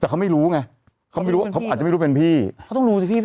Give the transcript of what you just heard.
แต่เขาไม่รู้ไงเขาไม่รู้ว่าเขาอาจจะไม่รู้เป็นพี่เขาต้องรู้สิพี่